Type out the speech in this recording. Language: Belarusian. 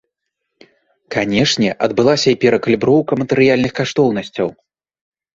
Канешне, адбылася і перакаліброўка матэрыяльных каштоўнасцяў.